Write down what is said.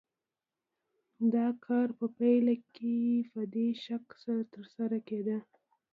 دا کار په پیل کې په دې شکل ترسره کېده